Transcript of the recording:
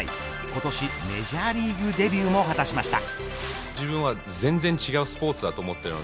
今年メジャーリーグデビューも果たしました。